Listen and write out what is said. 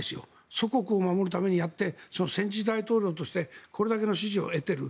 祖国を守るためにやって戦時大統領としてこれだけの支持を得ている。